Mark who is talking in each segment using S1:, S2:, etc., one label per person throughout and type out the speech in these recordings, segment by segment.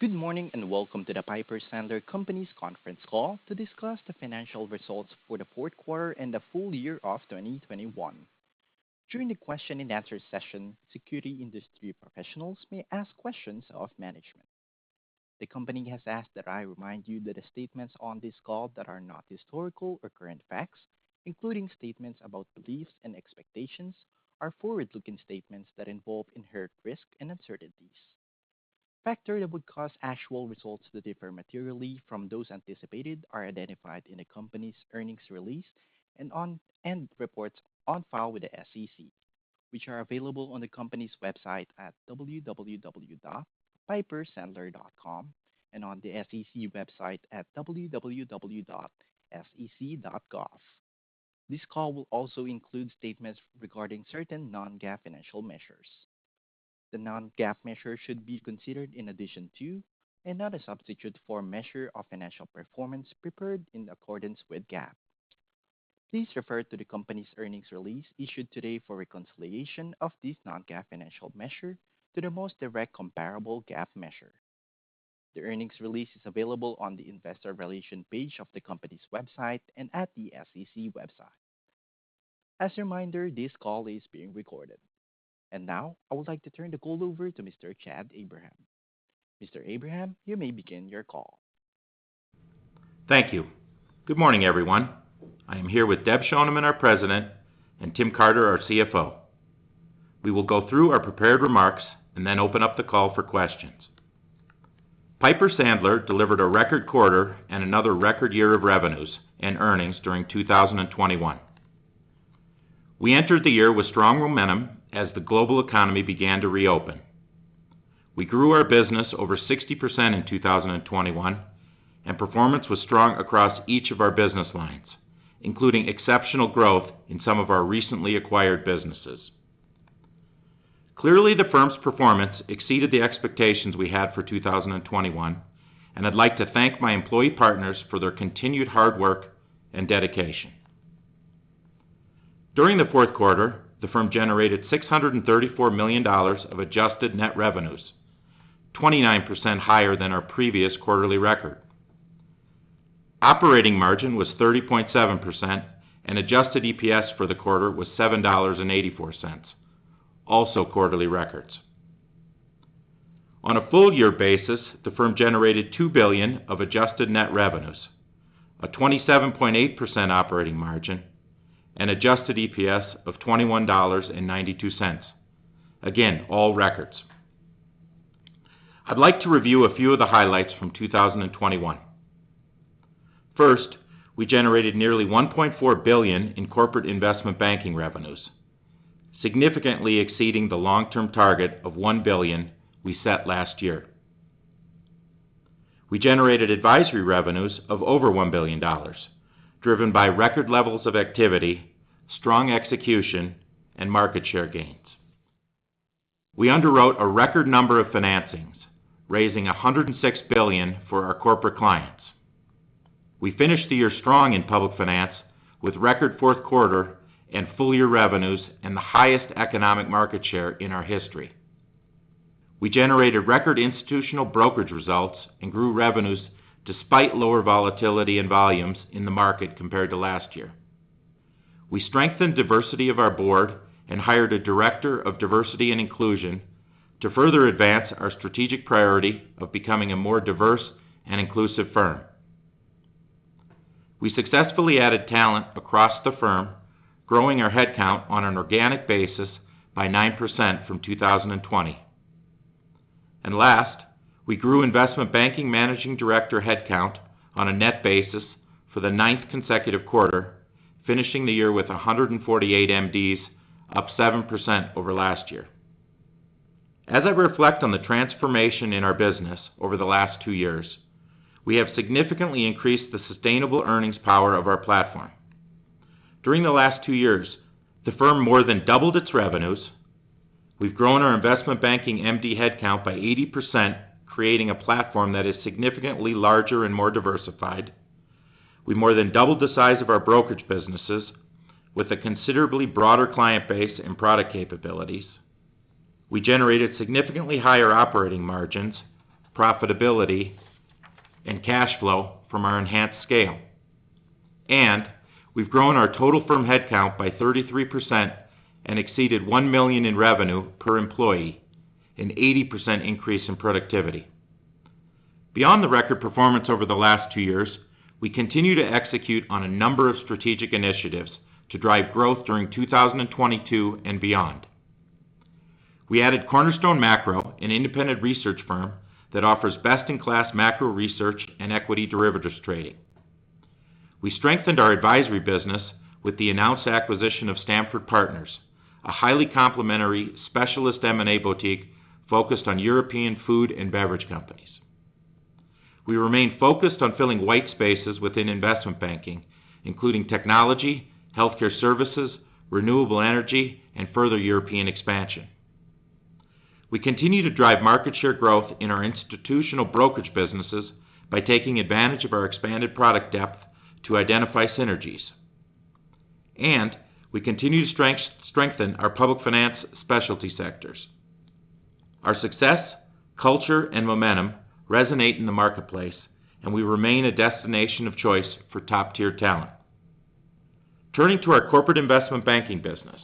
S1: Good morning, and welcome to the Piper Sandler Companies Conference Call to discuss the financial results for the fourth quarter and the full year of 2021. During the question and answer session, security industry professionals may ask questions of management. The company has asked that I remind you that the statements on this call that are not historical or current facts, including statements about beliefs and expectations, are forward-looking statements that involve inherent risks and uncertainties. Factors that would cause actual results to differ materially from those anticipated are identified in the company's earnings release and reports on file with the SEC, which are available on the company's website at www.pipersandler.com and on the SEC website at www.sec.gov. This call will also include statements regarding certain non-GAAP financial measures. The non-GAAP measures should be considered in addition to and not as a substitute for measures of financial performance prepared in accordance with GAAP. Please refer to the company's earnings release issued today for a reconciliation of these non-GAAP financial measures to the most directly comparable GAAP measures. The earnings release is available on the investor relations page of the company's website and at the SEC website. As a reminder, this call is being recorded. Now, I would like to turn the call over to Mr. Chad Abraham. Mr. Abraham, you may begin your call.
S2: Thank you. Good morning, everyone. I am here with Deb Schoneman, our President, and Tim Carter, our CFO. We will go through our prepared remarks and then open up the call for questions. Piper Sandler delivered a record quarter and another record year of revenues and earnings during 2021. We entered the year with strong momentum as the global economy began to reopen. We grew our business over 60% in 2021, and performance was strong across each of our business lines, including exceptional growth in some of our recently acquired businesses. Clearly, the firm's performance exceeded the expectations we had for 2021, and I'd like to thank my employee partners for their continued hard work and dedication. During the fourth quarter, the firm generated $634 million of adjusted net revenues, 29% higher than our previous quarterly record. Operating margin was 30.7%, and adjusted EPS for the quarter was $7.84, also quarterly records. On a full year basis, the firm generated $2 billion of adjusted net revenues, a 27.8% operating margin, and adjusted EPS of $21.92. Again, all records. I'd like to review a few of the highlights from 2021. First, we generated nearly $1.4 billion in corporate investment banking revenues, significantly exceeding the long-term target of $1 billion we set last year. We generated advisory revenues of over $1 billion, driven by record levels of activity, strong execution, and market share gains. We underwrote a record number of financings, raising $106 billion for our corporate clients. We finished the year strong in public finance with record fourth quarter and full year revenues and the highest economic market share in our history. We generated record institutional brokerage results and grew revenues despite lower volatility and volumes in the market compared to last year. We strengthened diversity of our board and hired a director of diversity and inclusion to further advance our strategic priority of becoming a more diverse and inclusive firm. We successfully added talent across the firm, growing our headcount on an organic basis by 9% from 2020. Last, we grew investment banking managing director headcount on a net basis for the ninth consecutive quarter, finishing the year with 148 MDs, up 7% over last year. As I reflect on the transformation in our business over the last two years, we have significantly increased the sustainable earnings power of our platform. During the last two years, the firm more than doubled its revenues. We've grown our investment banking MD headcount by 80%, creating a platform that is significantly larger and more diversified. We more than doubled the size of our brokerage businesses with a considerably broader client base and product capabilities. We generated significantly higher operating margins, profitability, and cash flow from our enhanced scale. We've grown our total firm headcount by 33% and exceeded $1 million in revenue per employee, an 80% increase in productivity. Beyond the record performance over the last two years, we continue to execute on a number of strategic initiatives to drive growth during 2022 and beyond. We added Cornerstone Macro, an independent research firm that offers best-in-class macro research and equity derivatives trading. We strengthened our advisory business with the announced acquisition of Stamford Partners, a highly complementary specialist M&A boutique focused on European food and beverage companies. We remain focused on filling white spaces within investment banking, including technology, healthcare services, renewable energy, and further European expansion. We continue to drive market share growth in our institutional brokerage businesses by taking advantage of our expanded product depth to identify synergies. We continue to strengthen our public finance specialty sectors. Our success, culture, and momentum resonate in the marketplace, and we remain a destination of choice for top-tier talent. Turning to our corporate investment banking business,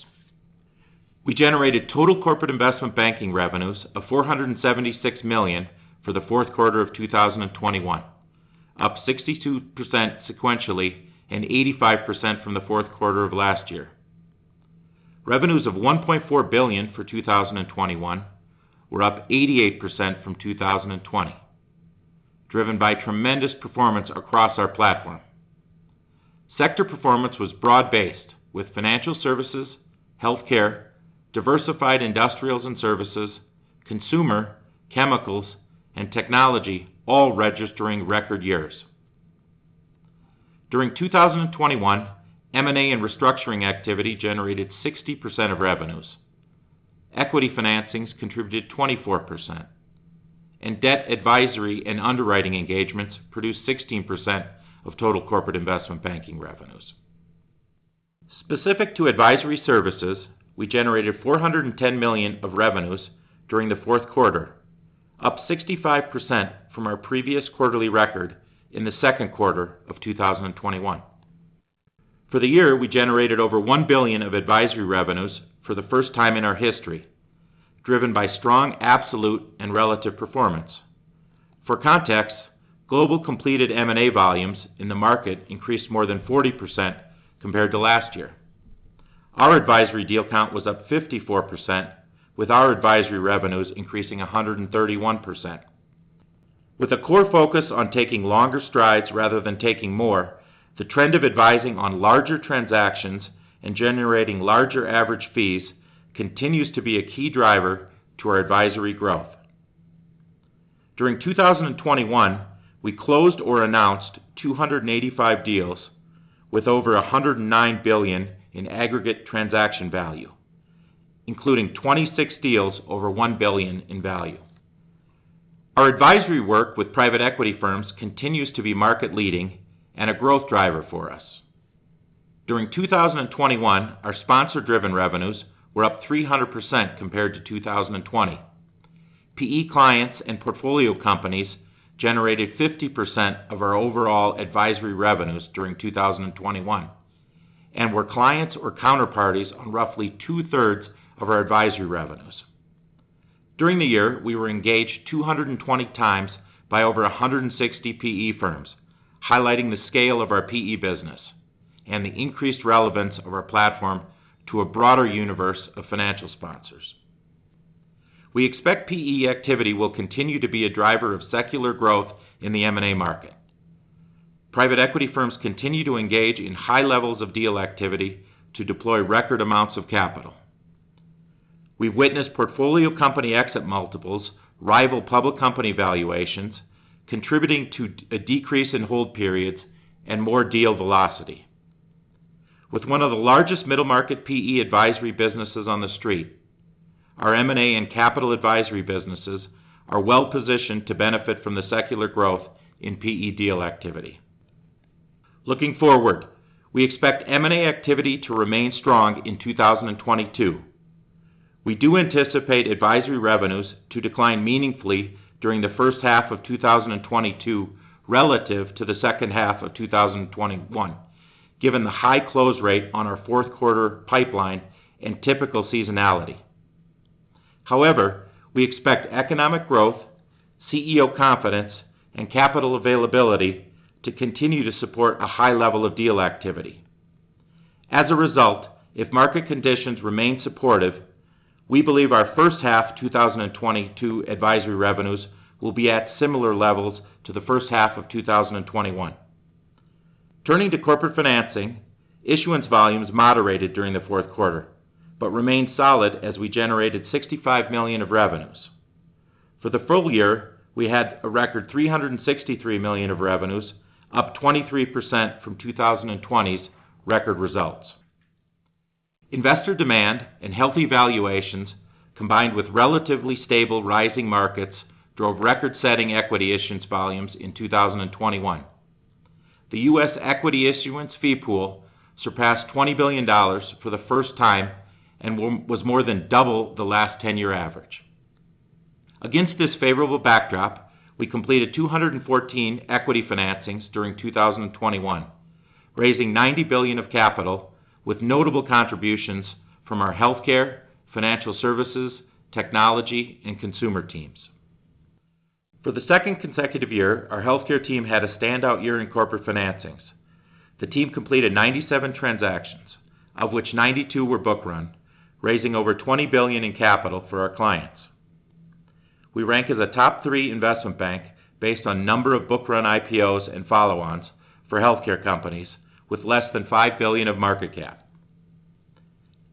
S2: we generated total corporate investment banking revenues of $476 million for the fourth quarter of 2021, up 62% sequentially and 85% from the fourth quarter of last year. Revenues of $1.4 billion for 2021 were up 88% from 2020, driven by tremendous performance across our platform. Sector performance was broad-based with financial services, healthcare, diversified industrials and services, consumer, chemicals, and technology all registering record years. During 2021, M&A and restructuring activity generated 60% of revenues. Equity financings contributed 24%, and debt advisory and underwriting engagements produced 16% of total corporate investment banking revenues. Specific to advisory services, we generated $410 million of revenues during the fourth quarter, up 65% from our previous quarterly record in the second quarter of 2021. For the year, we generated over $1 billion of advisory revenues for the first time in our history, driven by strong, absolute, and relative performance. For context, global completed M&A volumes in the market increased more than 40% compared to last year. Our advisory deal count was up 54%, with our advisory revenues increasing 131%. With a core focus on taking longer strides rather than taking more, the trend of advising on larger transactions and generating larger average fees continues to be a key driver to our advisory growth. During 2021, we closed or announced 285 deals with over $109 billion in aggregate transaction value, including 26 deals over $1 billion in value. Our advisory work with private equity firms continues to be market-leading and a growth driver for us. During 2021, our sponsor-driven revenues were up 300% compared to 2020. PE clients and portfolio companies generated 50% of our overall advisory revenues during 2021 and were clients or counterparties on roughly 2/3 of our advisory revenues. During the year, we were engaged 220 times by over 160 PE firms, highlighting the scale of our PE business and the increased relevance of our platform to a broader universe of financial sponsors. We expect PE activity will continue to be a driver of secular growth in the M&A market. Private equity firms continue to engage in high levels of deal activity to deploy record amounts of capital. We've witnessed portfolio company exit multiples rival public company valuations, contributing to a decrease in hold periods and more deal velocity. With one of the largest middle market PE advisory businesses on the street, our M&A and capital advisory businesses are well-positioned to benefit from the secular growth in PE deal activity. Looking forward, we expect M&A activity to remain strong in 2022. We do anticipate advisory revenues to decline meaningfully during the first half of 2022 relative to the second half of 2021, given the high close rate on our fourth quarter pipeline and typical seasonality. However, we expect economic growth, CEO confidence, and capital availability to continue to support a high level of deal activity. As a result, if market conditions remain supportive, we believe our first half 2022 advisory revenues will be at similar levels to the first half of 2021. Turning to corporate financing, issuance volumes moderated during the fourth quarter, but remained solid as we generated $65 million of revenues. For the full year, we had a record $363 million of revenues, up 23% from 2020's record results. Investor demand and healthy valuations, combined with relatively stable rising markets, drove record-setting equity issuance volumes in 2021. The U.S. equity issuance fee pool surpassed $20 billion for the first time and was more than double the last 10-year average. Against this favorable backdrop, we completed 214 equity financings during 2021, raising $90 billion of capital with notable contributions from our healthcare, financial services, technology, and consumer teams. For the second consecutive year, our healthcare team had a standout year in corporate financings. The team completed 97 transactions, of which 92 were book run, raising over $20 billion in capital for our clients. We rank as a top three investment bank based on number of book run IPOs and follow-ons for healthcare companies with less than $5 billion of market cap.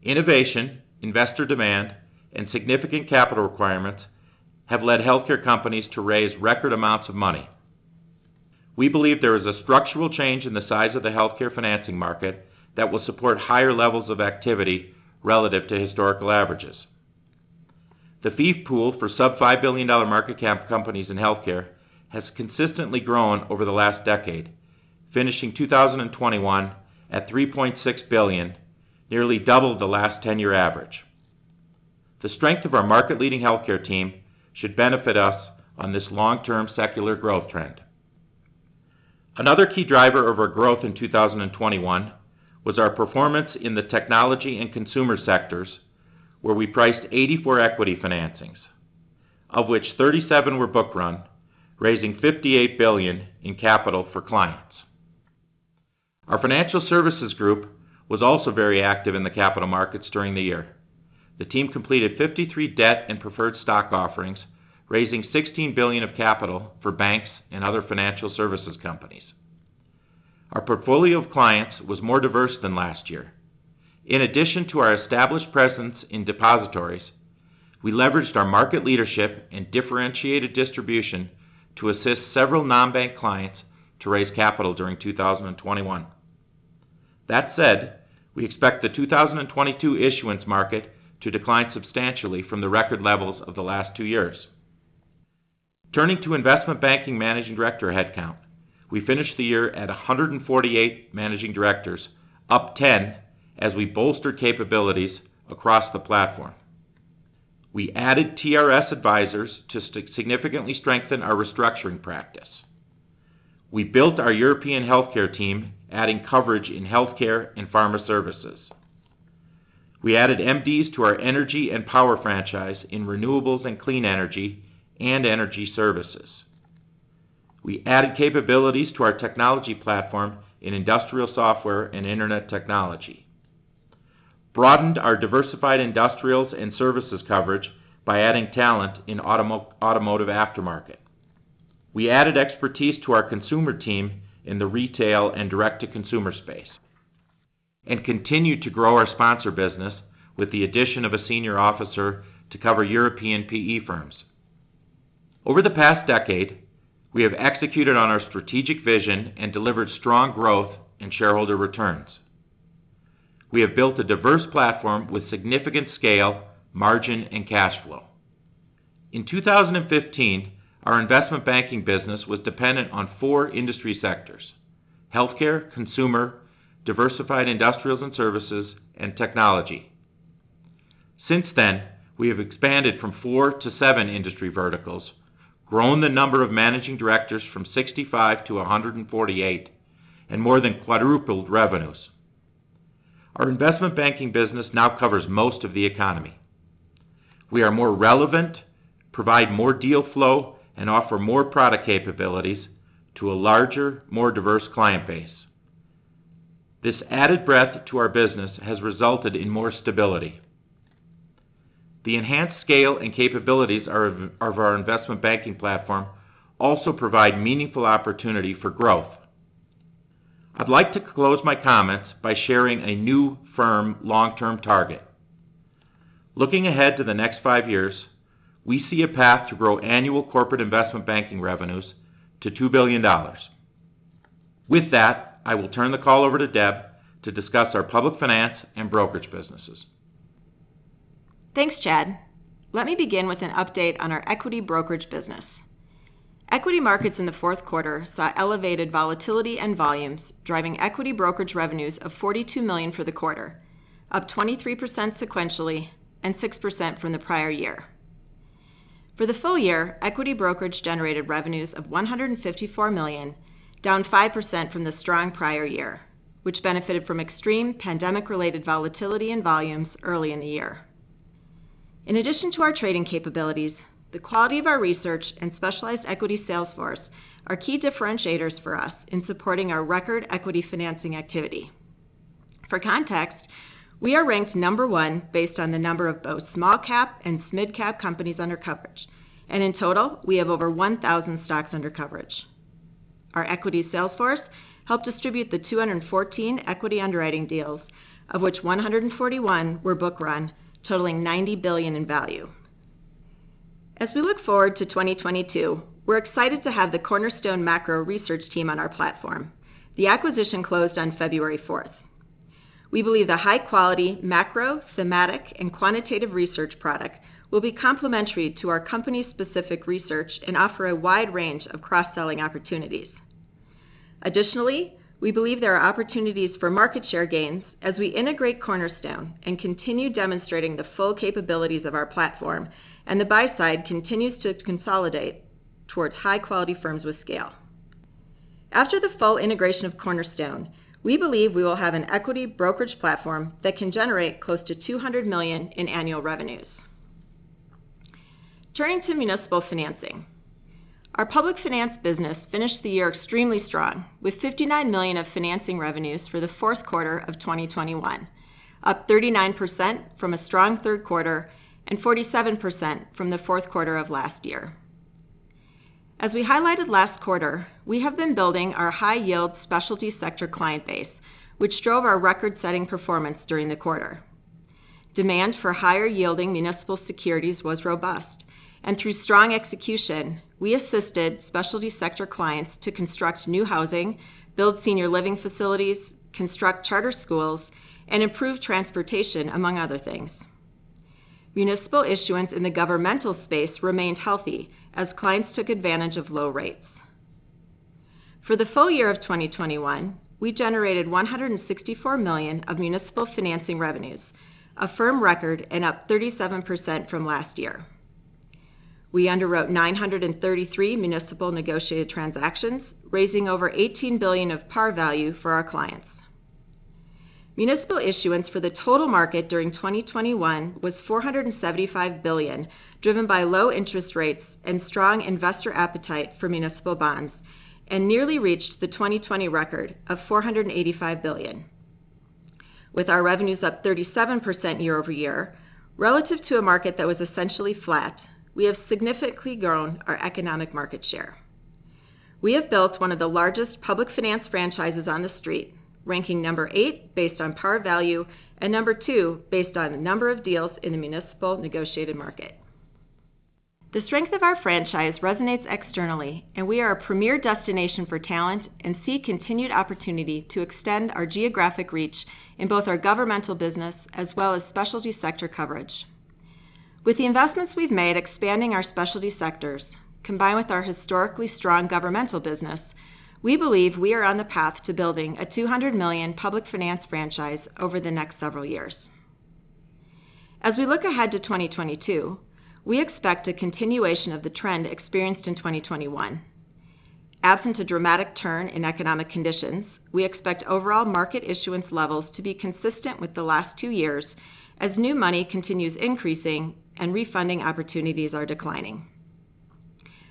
S2: Innovation, investor demand, and significant capital requirements have led healthcare companies to raise record amounts of money. We believe there is a structural change in the size of the healthcare financing market that will support higher levels of activity relative to historical averages. The fee pool for sub $5 billion market cap companies in healthcare has consistently grown over the last decade, finishing 2021 at $3.6 billion, nearly double the last 10-year average. The strength of our market-leading healthcare team should benefit us on this long-term secular growth trend. Another key driver of our growth in 2021 was our performance in the technology and consumer sectors, where we priced 84 equity financings, of which 37 were book run, raising $58 billion in capital for clients. Our financial services group was also very active in the capital markets during the year. The team completed 53 debt and preferred stock offerings, raising $16 billion of capital for banks and other financial services companies. Our portfolio of clients was more diverse than last year. In addition to our established presence in depositories, we leveraged our market leadership and differentiated distribution to assist several non-bank clients to raise capital during 2021. That said, we expect the 2022 issuance market to decline substantially from the record levels of the last two years. Turning to investment banking managing director headcount, we finished the year at 148 managing directors, up 10, as we bolster capabilities across the platform. We added TRS Advisors to significantly strengthen our restructuring practice. We built our European healthcare team, adding coverage in healthcare and pharma services. We added MDs to our energy and power franchise in renewables and clean energy and energy services. We added capabilities to our technology platform in industrial software and internet technology, broadened our diversified industrials and services coverage by adding talent in automotive aftermarket. We added expertise to our consumer team in the retail and direct-to-consumer space, and continued to grow our sponsor business with the addition of a senior officer to cover European PE firms. Over the past decade, we have executed on our strategic vision and delivered strong growth in shareholder returns. We have built a diverse platform with significant scale, margin, and cash flow. In 2015, our investment banking business was dependent on four industry sectors, healthcare, consumer, diversified industrials and services, and technology. Since then, we have expanded from four to seven industry verticals, grown the number of managing directors from 65 to 148, and more than quadrupled revenues. Our investment banking business now covers most of the economy. We are more relevant, provide more deal flow, and offer more product capabilities to a larger, more diverse client base. This added breadth to our business has resulted in more stability. The enhanced scale and capabilities of our investment banking platform also provide meaningful opportunity for growth. I'd like to close my comments by sharing a new firm long-term target. Looking ahead to the next five years, we see a path to grow annual corporate investment banking revenues to $2 billion. With that, I will turn the call over to Deb to discuss our public finance and brokerage businesses.
S3: Thanks, Chad. Let me begin with an update on our equity brokerage business. Equity markets in the fourth quarter saw elevated volatility and volumes, driving equity brokerage revenues of $42 million for the quarter, up 23% sequentially and 6% from the prior year. For the full year, equity brokerage generated revenues of $154 million, down 5% from the strong prior year, which benefited from extreme pandemic-related volatility and volumes early in the year. In addition to our trading capabilities, the quality of our research and specialized equity sales force are key differentiators for us in supporting our record equity financing activity. For context, we are ranked number one based on the number of both small cap and mid cap companies under coverage, and in total, we have over 1,000 stocks under coverage. Our equity sales force helped distribute the 214 equity underwriting deals, of which 141 were book run, totaling $90 billion in value. As we look forward to 2022, we're excited to have the Cornerstone Macro research team on our platform. The acquisition closed on February 4th. We believe the high-quality macro, thematic, and quantitative research product will be complementary to our company's specific research and offer a wide range of cross-selling opportunities. Additionally, we believe there are opportunities for market share gains as we integrate Cornerstone and continue demonstrating the full capabilities of our platform, and the buy side continues to consolidate towards high-quality firms with scale. After the full integration of Cornerstone, we believe we will have an equity brokerage platform that can generate close to $200 million in annual revenues. Turning to municipal financing, our public finance business finished the year extremely strong, with $59 million of financing revenues for the fourth quarter of 2021, up 39% from a strong third quarter and 47% from the fourth quarter of last year. As we highlighted last quarter, we have been building our high-yield specialty sector client base, which drove our record-setting performance during the quarter. Demand for higher-yielding municipal securities was robust. Through strong execution, we assisted specialty sector clients to construct new housing, build senior living facilities, construct charter schools, and improve transportation, among other things. Municipal issuance in the governmental space remained healthy as clients took advantage of low rates. For the full year of 2021, we generated $164 million of municipal financing revenues, a firm record, and up 37% from last year. We underwrote 933 municipal negotiated transactions, raising over $18 billion of par value for our clients. Municipal issuance for the total market during 2021 was $475 billion, driven by low interest rates and strong investor appetite for municipal bonds, and nearly reached the 2020 record of $485 billion. With our revenues up 37% year-over-year, relative to a market that was essentially flat, we have significantly grown our economic market share. We have built one of the largest public finance franchises on the street, ranking number eight based on par value, and number two based on the number of deals in the municipal negotiated market. The strength of our franchise resonates externally, and we are a premier destination for talent and see continued opportunity to extend our geographic reach in both our governmental business as well as specialty sector coverage. With the investments we've made expanding our specialty sectors, combined with our historically strong governmental business, we believe we are on the path to building a $200 million public finance franchise over the next several years. As we look ahead to 2022, we expect a continuation of the trend experienced in 2021. Absent a dramatic turn in economic conditions, we expect overall market issuance levels to be consistent with the last two years as new money continues increasing and refunding opportunities are declining.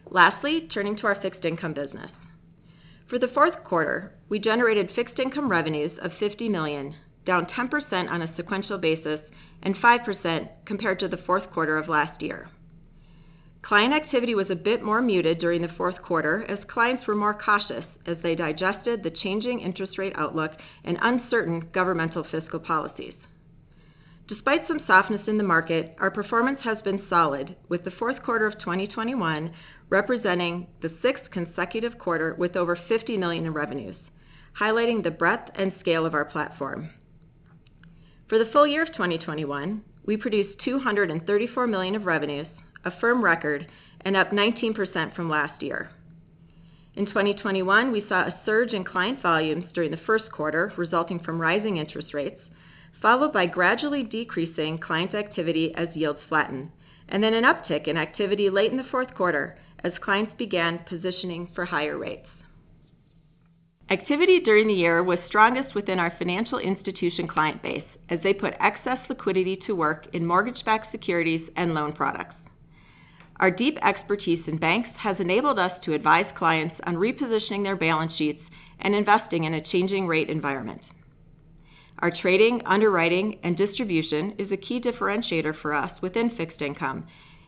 S3: Lastly, turning to our fixed income business. For the fourth quarter, we generated fixed income revenues of $50 million, down 10% on a sequential basis and 5% compared to the fourth quarter of last year. Client activity was a bit more muted during the fourth quarter as clients were more cautious as they digested the changing interest rate outlook and uncertain governmental fiscal policies. Despite some softness in the market, our performance has been solid, with the fourth quarter of 2021 representing the sixth consecutive quarter with over $50 million in revenues, highlighting the breadth and scale of our platform. For the full year of 2021, we produced $234 million of revenues, a firm record, and up 19% from last year. In 2021, we saw a surge in client volumes during the first quarter resulting from rising interest rates, followed by gradually decreasing client activity as yields flatten, and then an uptick in activity late in the fourth quarter as clients began positioning for higher rates. Activity during the year was strongest within our financial institution client base as they put excess liquidity to work in mortgage-backed securities and loan products. Our deep expertise in banks has enabled us to advise clients on repositioning their balance sheets and investing in a changing rate environment. Our trading, underwriting, and distribution is a key differentiator for us within fixed income,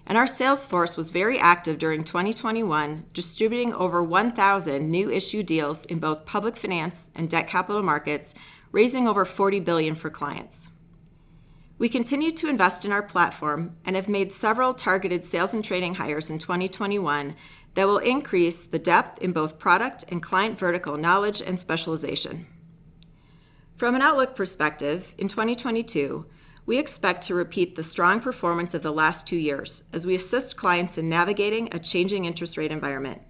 S3: and our sales force was very active during 2021, distributing over 1,000 new issue deals in both public finance and debt capital markets, raising over $40 billion for clients. We continue to invest in our platform and have made several targeted sales and trading hires in 2021 that will increase the depth in both product and client vertical knowledge and specialization. From an outlook perspective, in 2022, we expect to repeat the strong performance of the last two years as we assist clients in navigating a changing interest rate environment.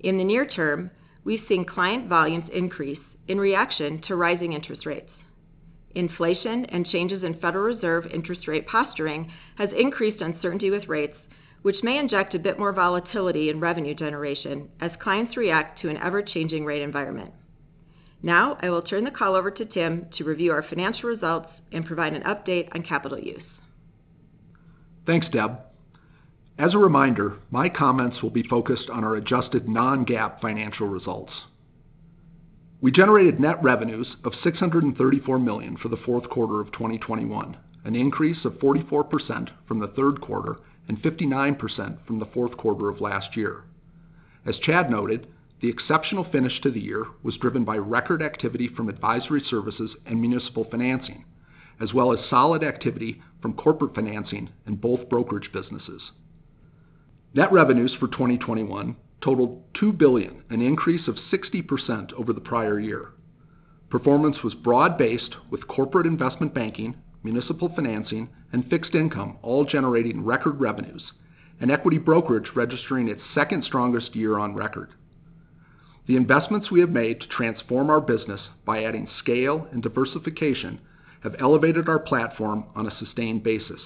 S3: In the near term, we've seen client volumes increase in reaction to rising interest rates. Inflation and changes in Federal Reserve interest rate posturing has increased uncertainty with rates, which may inject a bit more volatility in revenue generation as clients react to an ever-changing rate environment. Now, I will turn the call over to Tim to review our financial results and provide an update on capital use.
S4: Thanks, Deb. As a reminder, my comments will be focused on our adjusted non-GAAP financial results. We generated net revenues of $634 million for the fourth quarter of 2021, an increase of 44% from the third quarter and 59% from the fourth quarter of last year. As Chad noted, the exceptional finish to the year was driven by record activity from advisory services and municipal financing, as well as solid activity from corporate financing in both brokerage businesses. Net revenues for 2021 totaled $2 billion, an increase of 60% over the prior year. Performance was broad-based with corporate investment banking, municipal financing, and fixed income all generating record revenues, and equity brokerage registering its second strongest year on record. The investments we have made to transform our business by adding scale and diversification have elevated our platform on a sustained basis.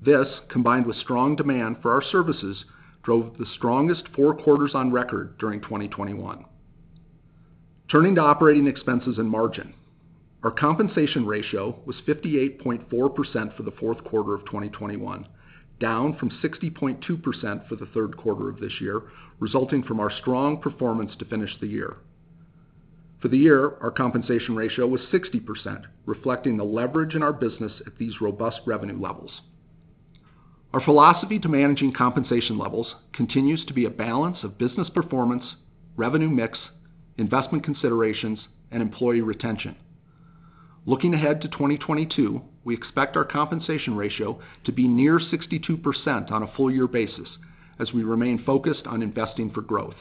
S4: This, combined with strong demand for our services, drove the strongest four quarters on record during 2021. Turning to operating expenses and margin. Our compensation ratio was 58.4% for the fourth quarter of 2021, down from 60.2% for the third quarter of this year, resulting from our strong performance to finish the year. For the year, our compensation ratio was 60%, reflecting the leverage in our business at these robust revenue levels. Our philosophy to managing compensation levels continues to be a balance of business performance, revenue mix, investment considerations, and employee retention. Looking ahead to 2022, we expect our compensation ratio to be near 62% on a full year basis as we remain focused on investing for growth.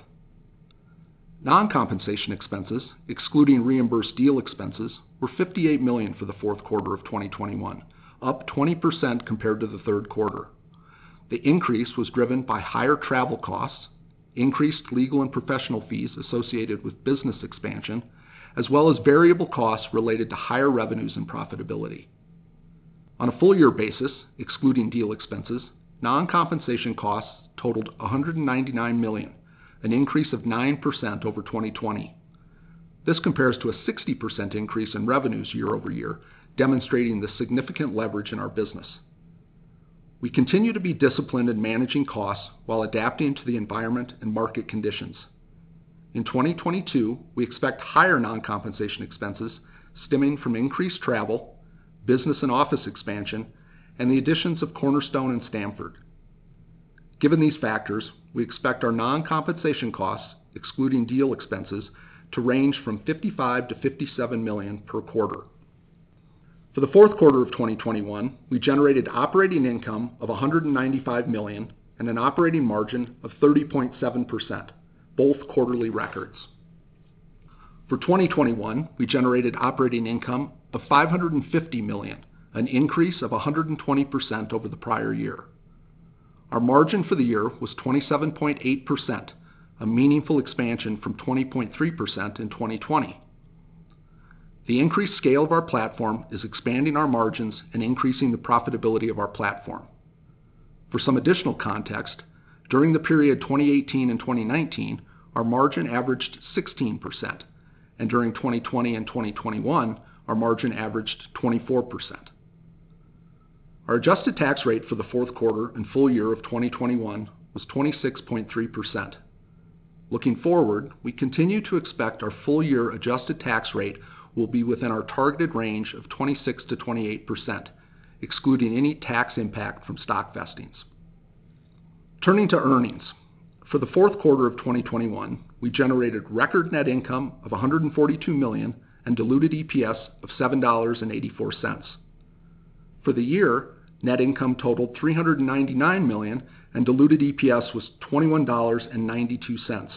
S4: Non-compensation expenses, excluding reimbursed deal expenses, were $58 million for the fourth quarter of 2021, up 20% compared to the third quarter. The increase was driven by higher travel costs, increased legal and professional fees associated with business expansion, as well as variable costs related to higher revenues and profitability. On a full-year basis, excluding deal expenses, non-compensation costs totaled $199 million, an increase of 9% over 2020. This compares to a 60% increase in revenues year-over-year, demonstrating the significant leverage in our business. We continue to be disciplined in managing costs while adapting to the environment and market conditions. In 2022, we expect higher non-compensation expenses stemming from increased travel, business and office expansion, and the additions of Cornerstone and Stamford. Given these factors, we expect our non-compensation costs, excluding deal expenses, to range from $55 million-$57 million per quarter. For the fourth quarter of 2021, we generated operating income of $195 million and an operating margin of 30.7%, both quarterly records. For 2021, we generated operating income of $550 million, an increase of 120% over the prior year. Our margin for the year was 27.8%, a meaningful expansion from 20.3% in 2020. The increased scale of our platform is expanding our margins and increasing the profitability of our platform. For some additional context, during the period 2018 and 2019, our margin averaged 16%, and during 2020 and 2021, our margin averaged 24%. Our adjusted tax rate for the fourth quarter and full year of 2021 was 26.3%. Looking forward, we continue to expect our full year adjusted tax rate will be within our targeted range of 26%-28%, excluding any tax impact from stock vesting. Turning to earnings. For the fourth quarter of 2021, we generated record net income of $142 million and diluted EPS of $7.84. For the year, net income totaled $399 million, and diluted EPS was $21.92.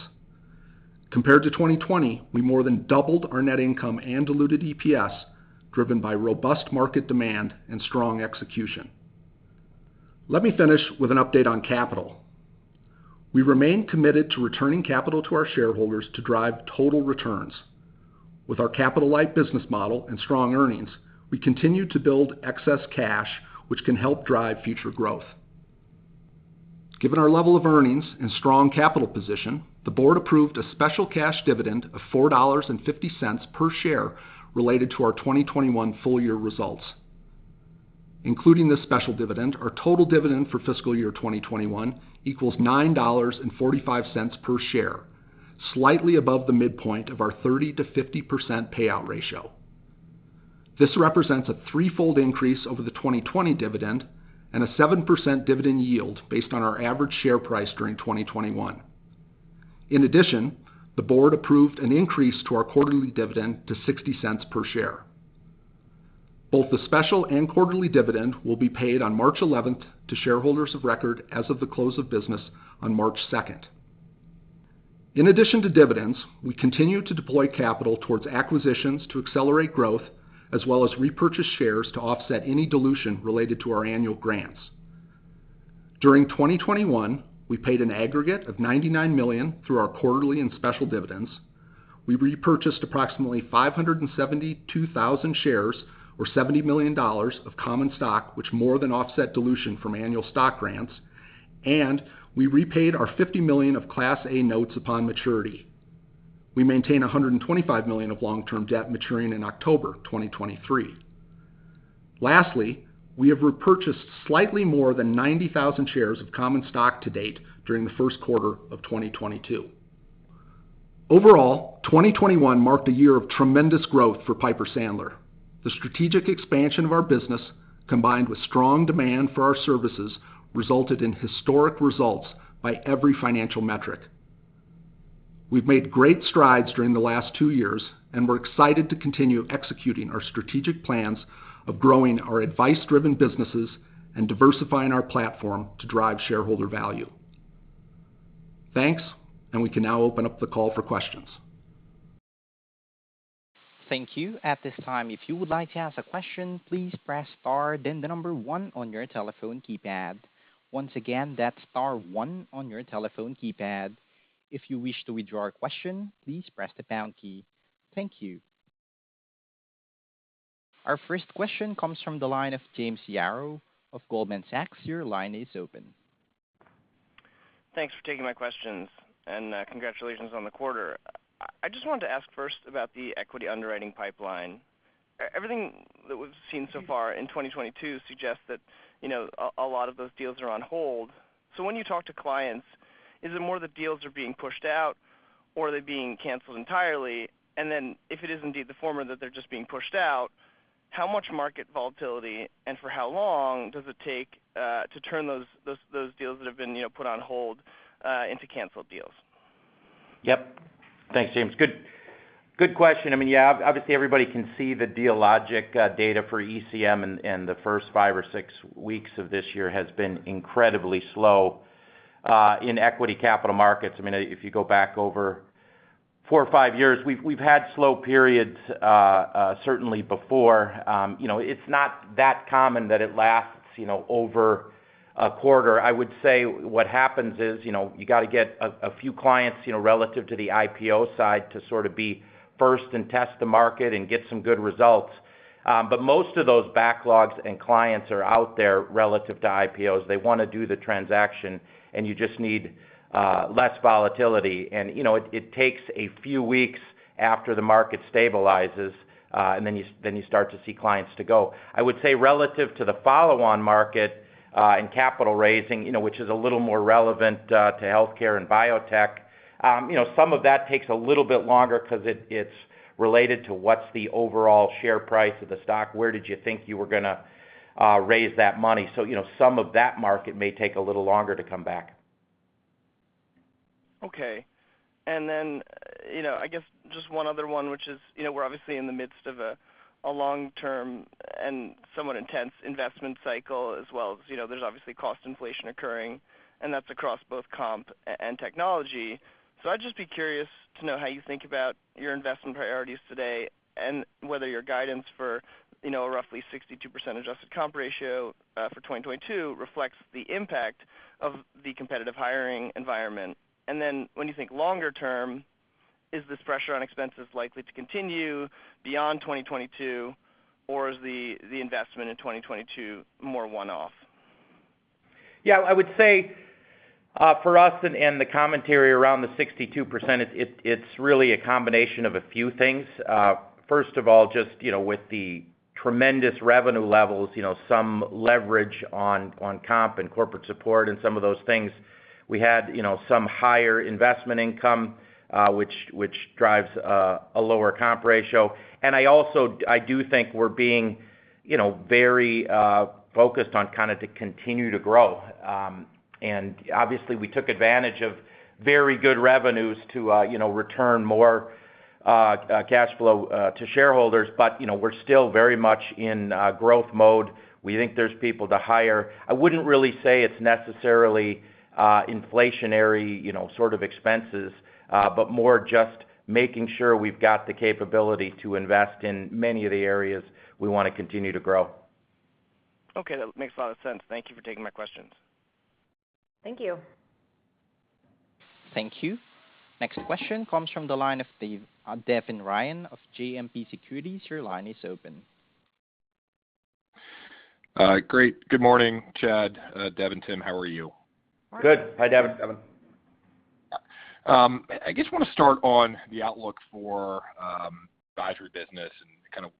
S4: Compared to 2020, we more than doubled our net income and diluted EPS, driven by robust market demand and strong execution. Let me finish with an update on capital. We remain committed to returning capital to our shareholders to drive total returns. With our capital-light business model and strong earnings, we continue to build excess cash, which can help drive future growth. Given our level of earnings and strong capital position, the board approved a special cash dividend of $4.50 per share related to our 2021 full year results. Including this special dividend, our total dividend for fiscal year 2021 equals $9.45 per share, slightly above the midpoint of our 30%-50% payout ratio. This represents a threefold increase over the 2020 dividend and a 7% dividend yield based on our average share price during 2021. In addition, the board approved an increase to our quarterly dividend to $0.60 per share. Both the special and quarterly dividend will be paid on March 11th, to shareholders of record as of the close of business on March 2nd. In addition to dividends, we continue to deploy capital towards acquisitions to accelerate growth, as well as repurchase shares to offset any dilution related to our annual grants. During 2021, we paid an aggregate of $99 million through our quarterly and special dividends. We repurchased approximately 572,000 shares or $70 million of common stock, which more than offset dilution from annual stock grants, and we repaid our $50 million of Class A notes upon maturity. We maintain $125 million of long-term debt maturing in October 2023. Lastly, we have repurchased slightly more than 90,000 shares of common stock to date during the first quarter of 2022. Overall, 2021 marked a year of tremendous growth for Piper Sandler. The strategic expansion of our business, combined with strong demand for our services, resulted in historic results by every financial metric. We've made great strides during the last two years, and we're excited to continue executing our strategic plans of growing our advice-driven businesses and diversifying our platform to drive shareholder value. Thanks. We can now open up the call for questions.
S1: Thank you. At this time, if you would like to ask a question, please press star then the number one on your telephone keypad. Once again, that's star one on your telephone keypad. If you wish to withdraw your question, please press the pound key. Thank you. Our first question comes from the line of James Yarrow of Goldman Sachs. Your line is open.
S5: Thanks for taking my questions, and congratulations on the quarter. I just wanted to ask first about the equity underwriting pipeline. Everything that we've seen so far in 2022 suggests that, you know, a lot of those deals are on hold. When you talk to clients, is it more the deals are being pushed out or they're being canceled entirely? Then if it is indeed the former that they're just being pushed out, how much market volatility and for how long does it take to turn those deals that have been, you know, put on hold into canceled deals?
S2: Yep. Thanks, James. Good question. I mean, yeah, obviously everybody can see the Dealogic data for ECM in the first five or six weeks of this year has been incredibly slow in equity capital markets. I mean, if you go back over four or five years, we've had slow periods certainly before. You know, it's not that common that it lasts, you know, over a quarter. I would say what happens is, you know, you got to get a few clients, you know, relative to the IPO side to sort of be first and test the market and get some good results. Most of those backlogs and clients are out there relative to IPOs. They wanna do the transaction, and you just need less volatility. You know, it takes a few weeks after the market stabilizes, and then you start to see clients to go. I would say relative to the follow-on market in capital raising, you know, which is a little more relevant to healthcare and biotech, you know, some of that takes a little bit longer 'cause it's related to what's the overall share price of the stock? Where did you think you were gonna raise that money? You know, some of that market may take a little longer to come back.
S5: Okay. You know, I guess just one other one, which is, you know, we're obviously in the midst of a long-term and somewhat intense investment cycle, as well as, you know, there's obviously cost inflation occurring, and that's across both comp and technology. I'd just be curious to know how you think about your investment priorities today and whether your guidance for, you know, a roughly 62% adjusted comp ratio for 2022 reflects the impact of the competitive hiring environment. When you think longer term, is this pressure on expenses likely to continue beyond 2022, or is the investment in 2022 more one-off?
S2: Yeah, I would say, for us and the commentary around the 62%, it's really a combination of a few things. First of all, just, you know, with the tremendous revenue levels, you know, some leverage on comp and corporate support and some of those things. We had, you know, some higher investment income, which drives a lower comp ratio. I also. I do think we're being, you know, very focused on kind of to continue to grow. Obviously, we took advantage of very good revenues to, you know, return more cash flow to shareholders. You know, we're still very much in growth mode. We think there's people to hire. I wouldn't really say it's necessarily inflationary, you know, sort of expenses, but more just making sure we've got the capability to invest in many of the areas we wanna continue to grow.
S5: Okay. That makes a lot of sense. Thank you for taking my questions.
S3: Thank you.
S1: Thank you. Next question comes from the line of Devin Ryan of JMP Securities. Your line is open.
S6: Great. Good morning, Chad, Deb, Tim, how are you?
S2: Good. Hi, Devin.
S3: Morning.
S2: Devin.
S6: I guess I want to start on the outlook for advisory business and kind of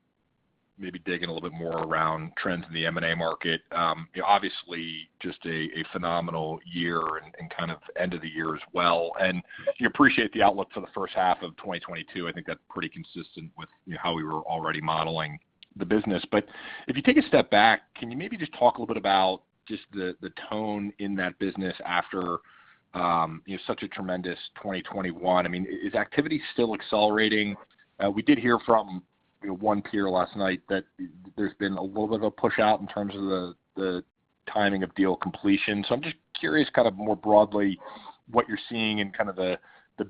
S6: maybe dig in a little bit more around trends in the M&A market. You know, obviously just a phenomenal year and kind of end of the year as well. We appreciate the outlook for the first half of 2022. I think that's pretty consistent with you know, how we were already modeling the business. If you take a step back, can you maybe just talk a little bit about just the tone in that business after you know, such a tremendous 2021? I mean, is activity still accelerating? We did hear from you know, one peer last night that there's been a little bit of a push-out in terms of the timing of deal completion. I'm just curious, kind of more broadly what you're seeing in kind of the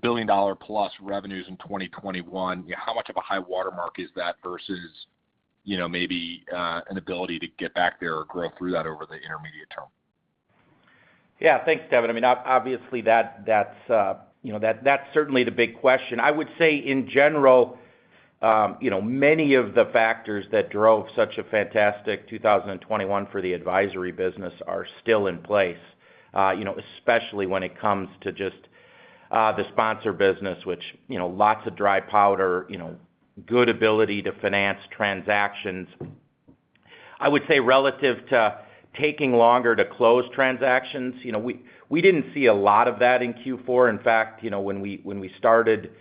S6: billion-dollar plus revenues in 2021. You know, how much of a high watermark is that versus, you know, maybe an ability to get back there or grow through that over the intermediate term?
S2: Yeah. Thanks, Devin. I mean, obviously, that's you know that's certainly the big question. I would say in general, you know, many of the factors that drove such a fantastic 2021 for the advisory business are still in place, you know, especially when it comes to just the sponsor business, which, you know, lots of dry powder, you know, good ability to finance transactions. I would say relative to taking longer to close transactions, you know, we didn't see a lot of that in Q4. In fact, you know, when we started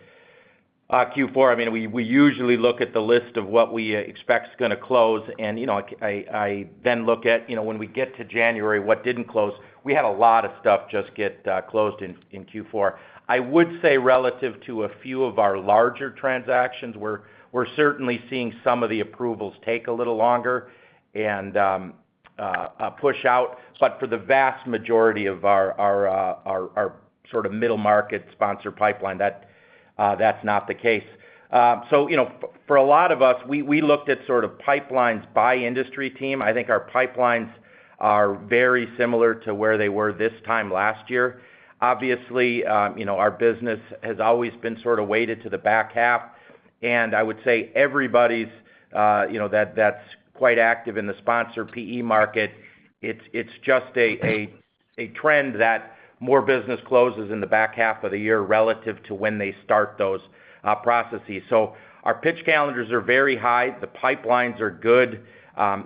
S2: Q4, I mean, we usually look at the list of what we expect is gonna close. You know, I then look at, you know, when we get to January, what didn't close. We had a lot of stuff just get closed in Q4. I would say relative to a few of our larger transactions, we're certainly seeing some of the approvals take a little longer and push out. For the vast majority of our sort of middle market sponsor pipeline, that's not the case. You know, for a lot of us, we looked at sort of pipelines by industry team. I think our pipelines are very similar to where they were this time last year. Obviously, you know, our business has always been sort of weighted to the back half. I would say everybody's you know, that's quite active in the sponsor PE market. It's just a trend that more business closes in the back half of the year relative to when they start those processes. Our pitch calendars are very high. The pipelines are good.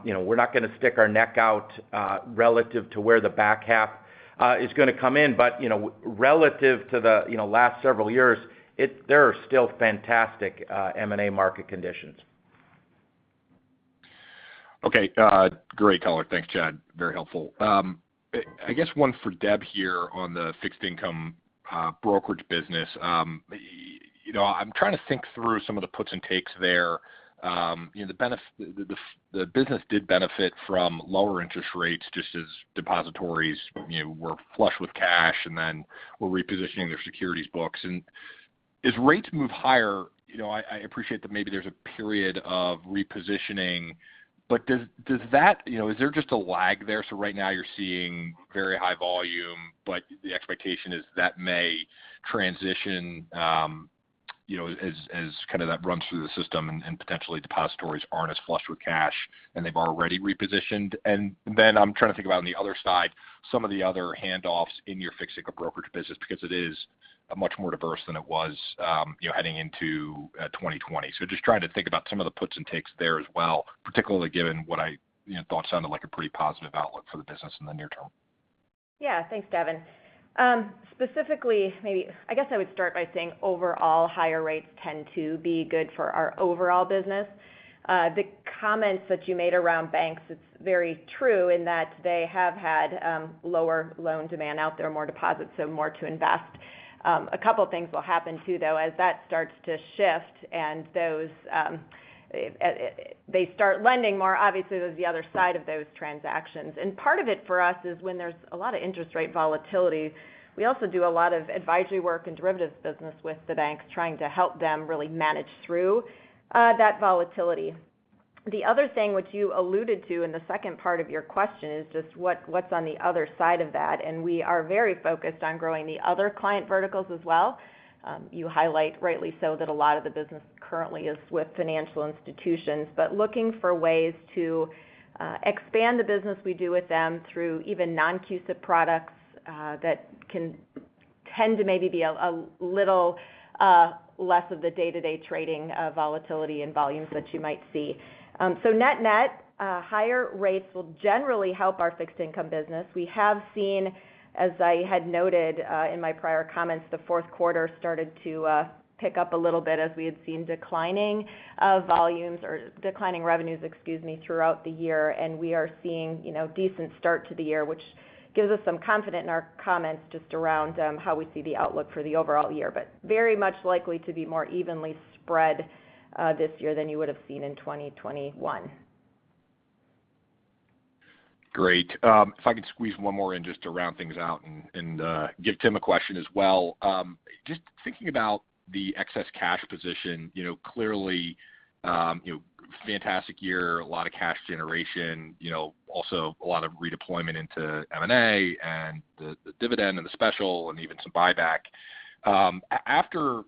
S2: You know, we're not gonna stick our neck out relative to where the back half is gonna come in. You know, relative to the last several years, there are still fantastic M&A market conditions.
S6: Okay. Great color. Thanks, Chad. Very helpful. I guess one for Deb here on the fixed income brokerage business. You know, I'm trying to think through some of the puts and takes there. You know, the business did benefit from lower interest rates just as depositories, you know, were flush with cash, and then were repositioning their securities books. As rates move higher, you know, I appreciate that maybe there's a period of repositioning, but does that. You know, is there just a lag there? Right now you're seeing very high volume, but the expectation is that may transition, you know, as kind of that runs through the system and potentially depositories aren't as flush with cash, and they've already repositioned. I'm trying to think about on the other side, some of the other handoffs in your fixed income brokerage business, because it is much more diverse than it was, you know, heading into 2020. Just trying to think about some of the puts and takes there as well, particularly given what I, you know, thought sounded like a pretty positive outlook for the business in the near term.
S3: Thanks, Devin. Specifically, maybe I guess I would start by saying overall higher rates tend to be good for our overall business. The comments that you made around banks, it's very true in that they have had lower loan demand out there, more deposits, so more to invest. A couple things will happen too, though, as that starts to shift and those they start lending more, obviously there's the other side of those transactions. Part of it for us is when there's a lot of interest rate volatility, we also do a lot of advisory work and derivatives business with the banks, trying to help them really manage through that volatility. The other thing which you alluded to in the second part of your question is just what's on the other side of that, and we are very focused on growing the other client verticals as well. You highlight rightly so that a lot of the business currently is with financial institutions. Looking for ways to expand the business we do with them through even non-CUSIP products that can tend to maybe be a little less of the day-to-day trading volatility and volumes that you might see. Net-net, higher rates will generally help our fixed income business. We have seen, as I had noted in my prior comments, the fourth quarter started to pick up a little bit as we had seen declining volumes or declining revenues, excuse me, throughout the year. We are seeing, you know, decent start to the year, which gives us some confidence in our comments just around how we see the outlook for the overall year. Very much likely to be more evenly spread this year than you would've seen in 2021.
S6: Great. If I could squeeze one more in just to round things out and give Tim a question as well. Just thinking about the excess cash position, you know, clearly, you know, fantastic year, a lot of cash generation, you know, also a lot of redeployment into M&A and the dividend and the special, and even some buyback. After, you know,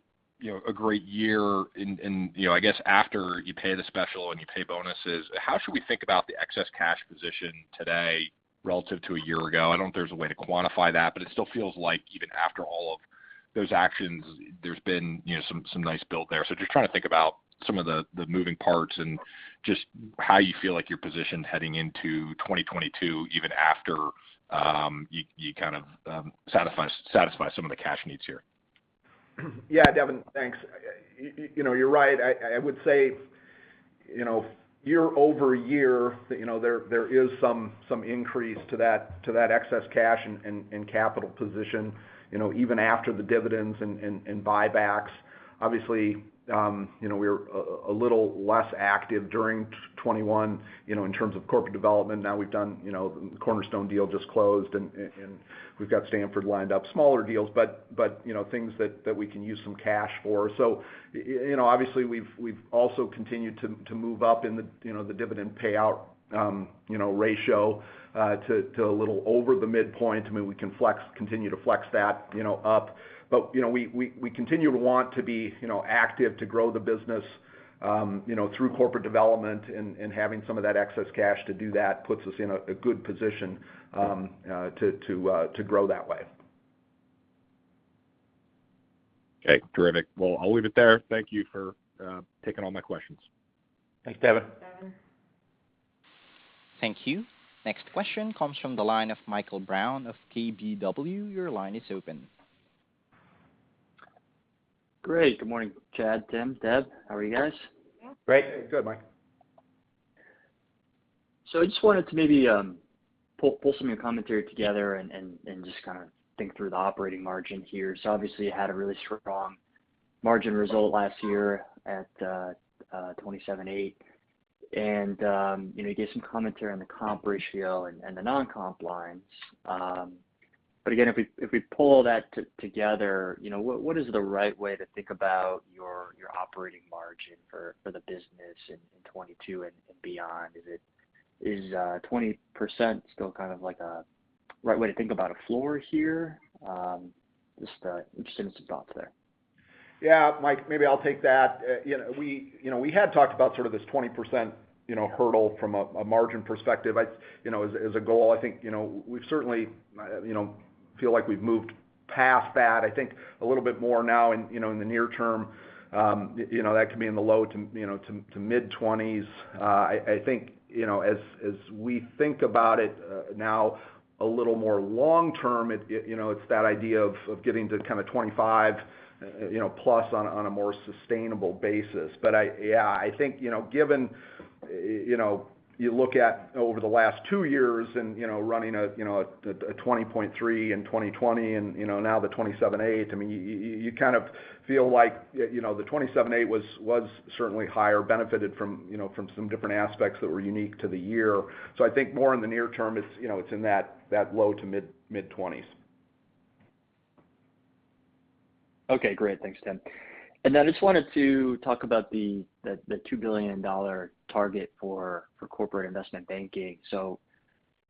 S6: a great year and, you know, I guess after you pay the special and you pay bonuses, how should we think about the excess cash position today relative to a year ago? I don't know if there's a way to quantify that, but it still feels like even after all of those actions, there's been, you know, some nice build there. Just trying to think about some of the moving parts and just how you feel like you're positioned heading into 2022, even after you kind of satisfy some of the cash needs here.
S4: Yeah, Devin. Thanks. You know, you're right. I would say, you know, year-over-year, you know, there is some increase to that excess cash and capital position, you know, even after the dividends and buybacks. Obviously, you know, we're a little less active during 2021, you know, in terms of corporate development. Now we've done, you know, Cornerstone deal just closed and we've got Stamford lined up. Smaller deals, but you know, things that we can use some cash for. You know, obviously we've also continued to move up in the you know the dividend payout you know ratio to a little over the midpoint. I mean, we can continue to flex that, you know, up.
S2: You know, we continue to want to be, you know, active to grow the business, you know, through corporate development and having some of that excess cash to do that puts us in a good position, to grow that way.
S6: Okay. Terrific. Well, I'll leave it there. Thank you for taking all my questions.
S2: Thanks, Devin.
S3: Thanks.
S1: Thank you. Next question comes from the line of Michael Brown of KBW. Your line is open.
S7: Great. Good morning, Chad, Tim, Deb. How are you guys?
S3: Great.
S2: Good, Mike.
S7: I just wanted to maybe pull some of your commentary together and just kind of think through the operating margin here. Obviously you had a really strong margin result last year at 27.8%. You know, you gave some commentary on the comp ratio and the non-comp lines. But again, if we pull that together, you know, what is the right way to think about your operating margin for the business in 2022 and beyond? Is it 20% still kind of like a right way to think about a floor here? Just interested in some thoughts there.
S4: Yeah. Mike, maybe I'll take that. You know, we had talked about sort of this 20% hurdle from a margin perspective. As a goal, I think we've certainly feel like we've moved past that. I think a little bit more now in the near term, that could be in the low to mid-20%. I think as we think about it now a little more long term, it's that idea of getting to kind of 25%+ on a more sustainable basis. Yeah, I think given our-
S2: You know, you look at over the last two years and, you know, running a 20.3% in 2020 and, you know, now the 27.8%, I mean, you kind of feel like, you know, the 27.8% was certainly higher, benefited from, you know, from some different aspects that were unique to the year. I think more in the near term, it's, you know, it's in that low to mid-20%.
S7: Okay, great. Thanks, Tim. I just wanted to talk about the $2 billion target for corporate investment banking.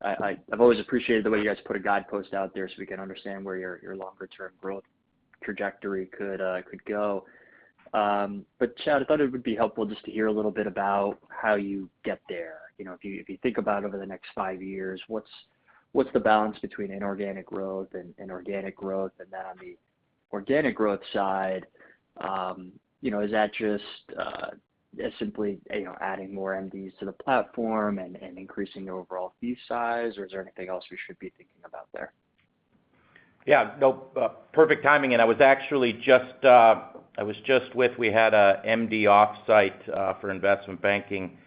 S7: I've always appreciated the way you guys put a guidepost out there so we can understand where your longer-term growth trajectory could go. Chad, I thought it would be helpful just to hear a little bit about how you get there. You know, if you think about over the next five years, what's the balance between inorganic growth and organic growth? Then on the organic growth side, you know, is that just simply you know adding more MDs to the platform and increasing the overall fee size, or is there anything else we should be thinking about there?
S2: Perfect timing. I was actually just with—we had an MD offsite for investment banking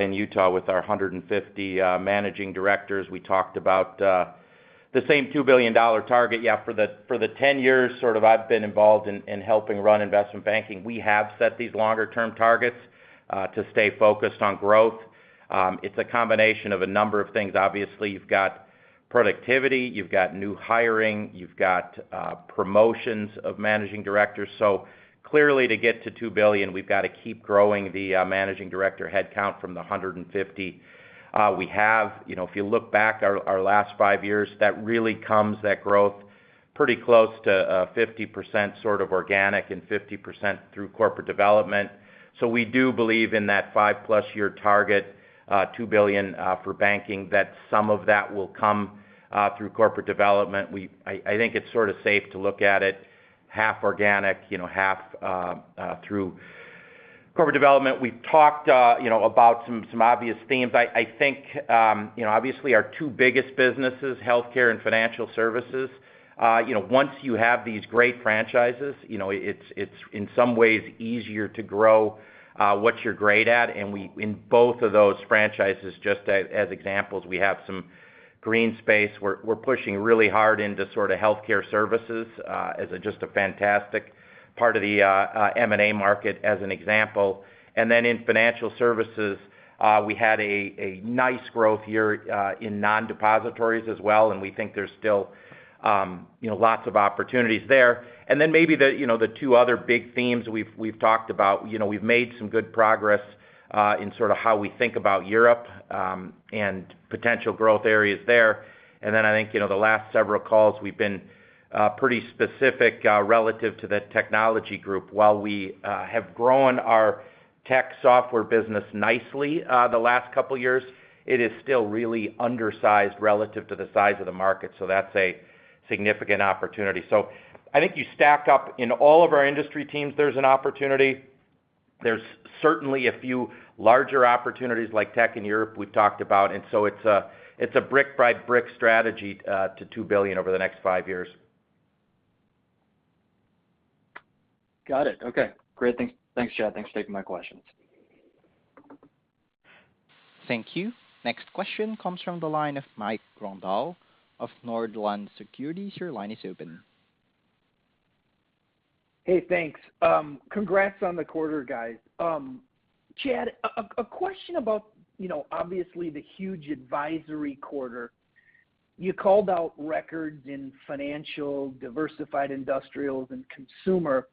S2: in Utah with our 150 managing directors. We talked about the same $2 billion target. Yeah, for the 10 years, sort of, I've been involved in helping run investment banking, we have set these longer-term targets to stay focused on growth. It's a combination of a number of things. Obviously, you've got productivity, you've got new hiring, you've got promotions of managing directors. Clearly, to get to $2 billion, we've got to keep growing the managing director head count from the 150. We have. You know, if you look back at our last five years, that growth really comes pretty close to 50% sort of organic and 50% through corporate development. We do believe in that 5+ year target, $2 billion for banking, that some of that will come through corporate development. I think it's sort of safe to look at it half organic, you know, half through corporate development. We've talked, you know, about some obvious themes. I think, you know, obviously our two biggest businesses, healthcare and financial services, you know, once you have these great franchises, you know, it's in some ways easier to grow what you're great at. In both of those franchises, just as examples, we have some green space. We're pushing really hard into sort of healthcare services as just a fantastic part of the M&A market as an example. In financial services, we had a nice growth year in non-depository as well, and we think there's still you know lots of opportunities there. Maybe the two other big themes we've talked about, you know, we've made some good progress in sort of how we think about Europe and potential growth areas there. I think you know the last several calls, we've been pretty specific relative to the technology group. While we have grown our tech software business nicely the last couple years, it is still really undersized relative to the size of the market. That's a significant opportunity. I think you stack up in all of our industry teams, there's an opportunity. There's certainly a few larger opportunities like tech in Europe we've talked about. It's a brick-by-brick strategy to $2 billion over the next five years.
S7: Got it. Okay. Great. Thanks. Thanks, Chad. Thanks for taking my questions.
S1: Thank you. Next question comes from the line of Mike Grondahl of Northland Securities. Your line is open.
S8: Hey, thanks. Congrats on the quarter, guys. Chad, a question about, you know, obviously the huge advisory quarter. You called out records in financial, diversified industrials, and consumer.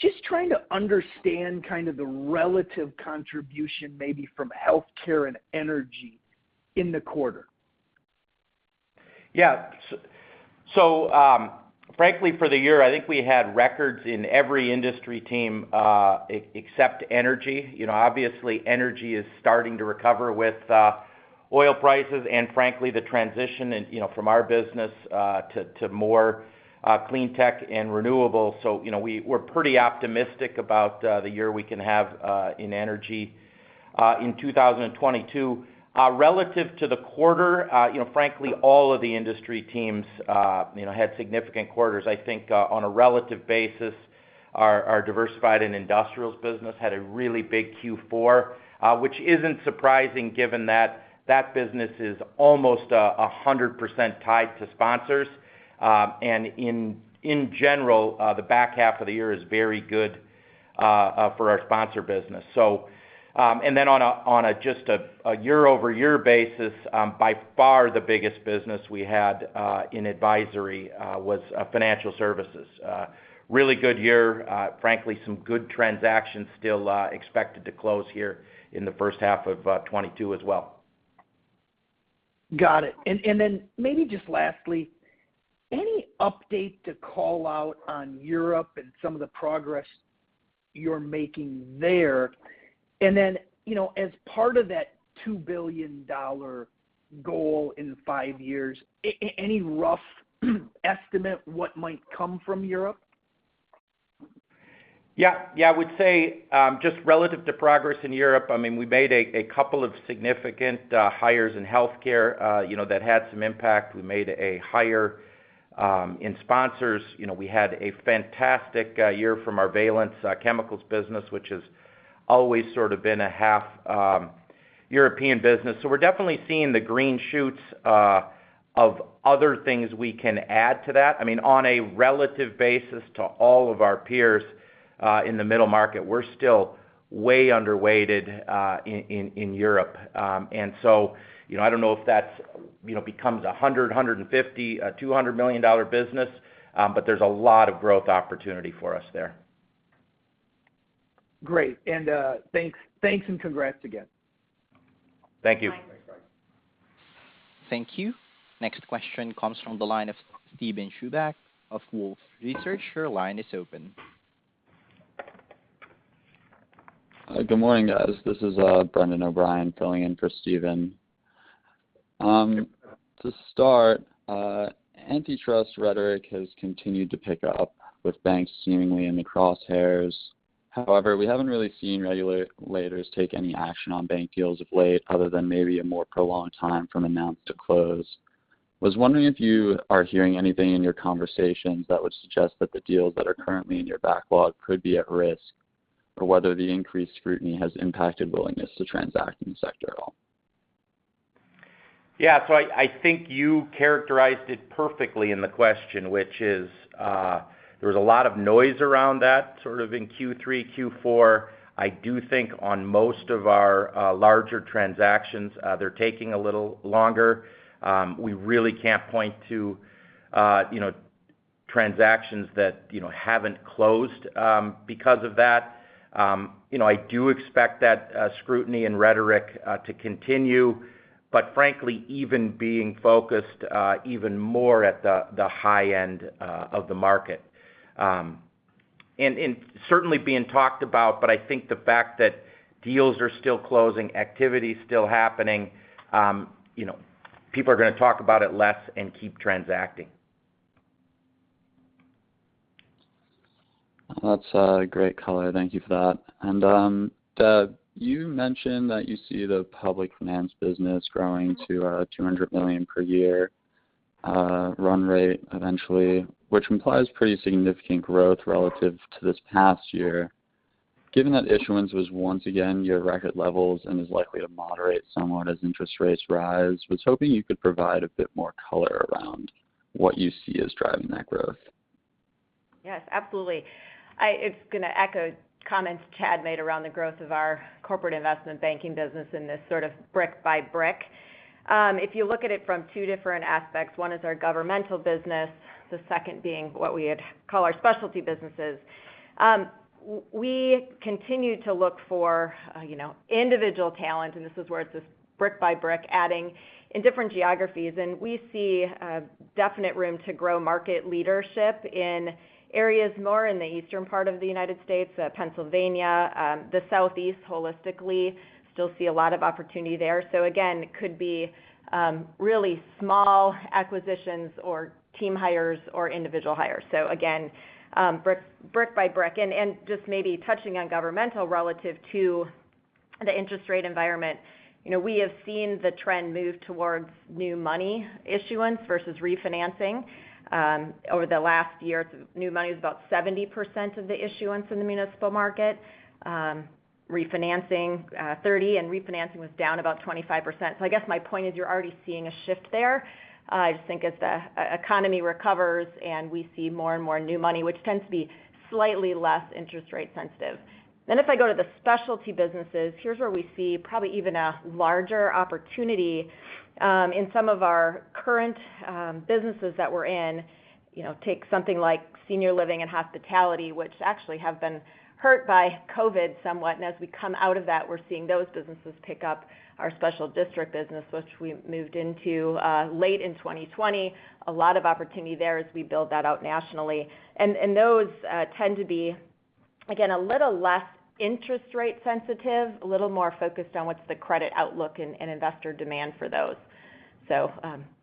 S8: Just trying to understand kind of the relative contribution maybe from healthcare and energy in the quarter.
S2: Frankly, for the year, I think we had records in every industry team except energy. You know, obviously energy is starting to recover with oil prices and frankly the transition in, you know, from our business to more clean tech and renewable. You know, we're pretty optimistic about the year we can have in energy in 2022. Relative to the quarter, you know, frankly, all of the industry teams you know had significant quarters. I think on a relative basis, our diversified and industrials business had a really big Q4, which isn't surprising given that that business is almost 100% tied to sponsors. In general, the back half of the year is very good for our sponsor business. On a year-over-year basis, by far the biggest business we had in advisory was financial services. Really good year. Frankly, some good transactions still expected to close here in the first half of 2022 as well.
S8: Got it. Maybe just lastly, any update to call out on Europe and some of the progress you're making there? You know, as part of that $2 billion goal in five years, any rough estimate what might come from Europe?
S2: Yeah. Yeah, I would say just relative to progress in Europe, I mean, we made a couple of significant hires in healthcare, you know, that had some impact. We made a hire in sponsors, you know, we had a fantastic year from our Valence Group, which is always sort of been a half European business. We're definitely seeing the green shoots of other things we can add to that. I mean, on a relative basis to all of our peers in the middle market, we're still way underweighted in Europe. You know, I don't know if that's, you know, becomes a $150 million-$200 million business, but there's a lot of growth opportunity for us there.
S8: Great. Thanks and congrats again.
S2: Thank you.
S1: Thank you. Next question comes from the line of Steven Chubak of Wolfe Research. Your line is open.
S9: Good morning, guys. This is Brendan O'Brien filling in for Steven. To start, antitrust rhetoric has continued to pick up with banks seemingly in the crosshairs. However, we haven't really seen regulators take any action on bank deals of late, other than maybe a more prolonged time from announcement to close. Was wondering if you are hearing anything in your conversations that would suggest that the deals that are currently in your backlog could be at risk, or whether the increased scrutiny has impacted willingness to transact in the sector at all?
S2: Yeah. I think you characterized it perfectly in the question, which is, there was a lot of noise around that, sort of in Q3, Q4. I do think on most of our larger transactions, they're taking a little longer. We really can't point to you know, transactions that you know, haven't closed because of that. You know, I do expect that scrutiny and rhetoric to continue, but frankly, even being focused even more at the high end of the market and certainly being talked about. I think the fact that deals are still closing, activity is still happening you know, people are gonna talk about it less and keep transacting.
S9: That's a great color. Thank you for that. Deb, you mentioned that you see the public finance business growing to $200 million per year run rate eventually, which implies pretty significant growth relative to this past year. Given that issuance was once again at record levels and is likely to moderate somewhat as interest rates rise, I was hoping you could provide a bit more color around what you see as driving that growth.
S3: Yes, absolutely. It's gonna echo comments Chad made around the growth of our corporate investment banking business in this sort of brick by brick. If you look at it from two different aspects, one is our governmental business, the second being what we would call our specialty businesses. We continue to look for, you know, individual talent, and this is where it's this brick by brick adding in different geographies. We see definite room to grow market leadership in areas more in the Eastern part of the United States, Pennsylvania, the Southeast holistically, still see a lot of opportunity there. Again, it could be really small acquisitions or team hires or individual hires. Again, brick by brick. Just maybe touching on governmental relative to the interest rate environment, you know, we have seen the trend move towards new money issuance versus refinancing. Over the last year, new money is about 70% of the issuance in the municipal market, refinancing 30%, and refinancing was down about 25%. I guess my point is you're already seeing a shift there. I just think as the economy recovers and we see more and more new money, which tends to be slightly less interest rate sensitive. Then if I go to the specialty businesses, here's where we see probably even a larger opportunity in some of our current businesses that we're in. You know, take something like senior living and hospitality, which actually have been hurt by COVID somewhat. As we come out of that, we're seeing those businesses pick up our special district business, which we moved into late in 2020. A lot of opportunity there as we build that out nationally. Those tend to be, again, a little less interest rate sensitive, a little more focused on what's the credit outlook and investor demand for those.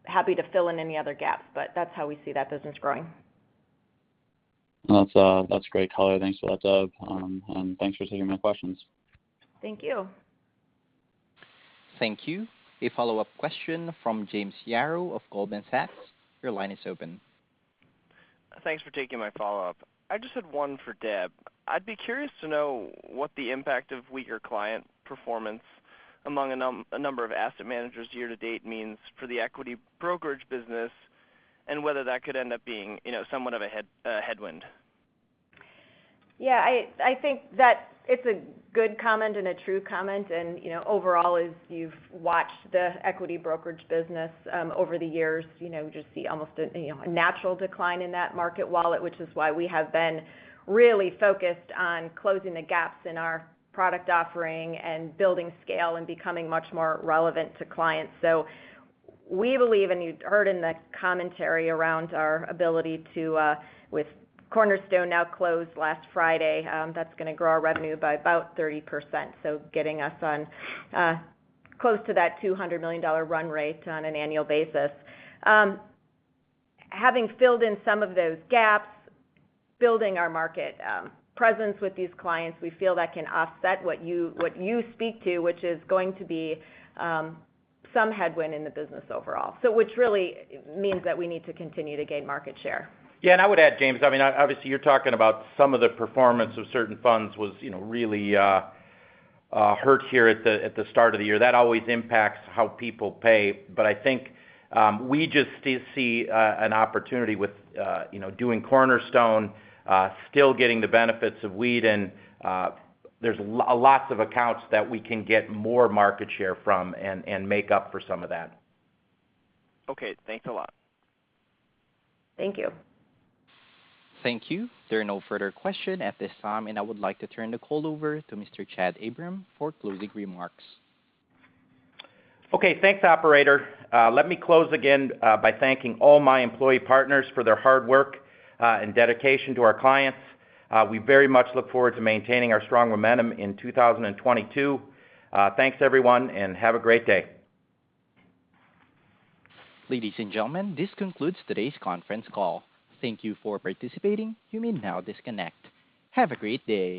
S3: Happy to fill in any other gaps, but that's how we see that business growing.
S9: That's great color. Thanks a lot, Deb. Thanks for taking my questions.
S3: Thank you.
S1: Thank you. A follow-up question from James Yarrow of Goldman Sachs. Your line is open.
S5: Thanks for taking my follow-up. I just had one for Deb. I'd be curious to know what the impact of weaker client performance among a number of asset managers year to date means for the equity brokerage business, and whether that could end up being, you know, somewhat of a headwind.
S3: Yeah. I think that it's a good comment and a true comment. You know, overall, as you've watched the equity brokerage business over the years, you know, just see almost, you know, a natural decline in that market wallet, which is why we have been really focused on closing the gaps in our product offering and building scale and becoming much more relevant to clients. We believe, and you heard in the commentary around our ability to, with Cornerstone now closed last Friday, that's gonna grow our revenue by about 30%. Getting us on close to that $200 million run rate on an annual basis. Having filled in some of those gaps, building our market presence with these clients, we feel that can offset what you speak to, which is going to be some headwind in the business overall. Which really means that we need to continue to gain market share.
S2: Yeah, I would add, James. I mean, obviously, you're talking about some of the performance of certain funds was, you know, really hurt here at the start of the year. That always impacts how people pay. I think we just still see an opportunity with, you know, doing Cornerstone, still getting the benefits of Weeden and there's lots of accounts that we can get more market share from and make up for some of that.
S5: Okay, thanks a lot.
S3: Thank you.
S1: Thank you. There are no further questions at this time, and I would like to turn the call over to Mr. Chad Abraham for closing remarks.
S2: Okay, thanks, operator. Let me close again by thanking all my employee partners for their hard work and dedication to our clients. We very much look forward to maintaining our strong momentum in 2022. Thanks, everyone, and have a great day.
S1: Ladies and gentlemen, this concludes today's conference call. Thank you for participating. You may now disconnect. Have a great day.